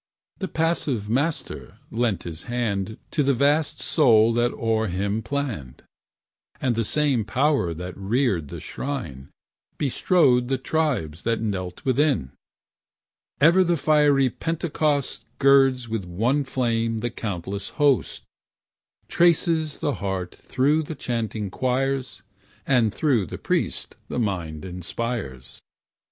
The passive Master lent his hand To the vast soul that o'er him planned; And the same power that reared the shrine Bestrode the tribes that knelt within. Ever the fiery Pentecost Girds with one flame the countless host, Trances the heart through chanting choirs, And through the priest the mind inspires.